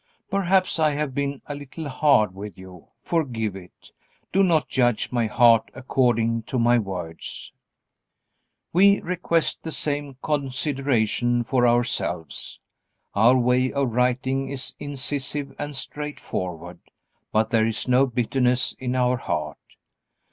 "Perhaps I have been a little hard with you. Forgive it. Do not judge my heart according to my words." We request the same consideration for ourselves. Our way of writing is incisive and straightforward. But there is no bitterness in our heart.